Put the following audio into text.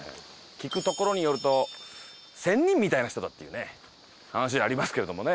聞くところによると仙人みたいな人だっていうね話ありますけれどもね。